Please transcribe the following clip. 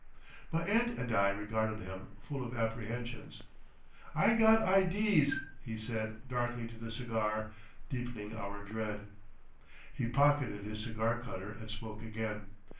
My aunt and I regarded him, full of apprehensions. "I got idees," he said darkly to the cigar, deepening our dread. He pocketed his cigar cutter and spoke again.